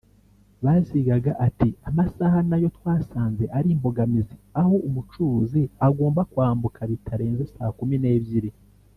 Bazigaga ati “Amasaha na yo twasanze ari imbogamizi aho umucuruzi agomba kwambuka bitarenze saa kumi n’ebyiri